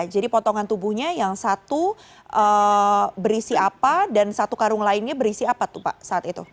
jadi potongan tubuhnya yang satu berisi apa dan satu karung lainnya berisi apa saat itu